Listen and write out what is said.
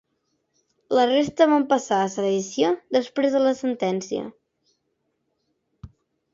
La resta van passar a sedició després de la sentència.